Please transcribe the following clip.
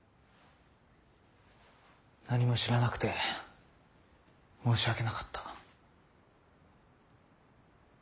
何も知らなくて申し訳なかった。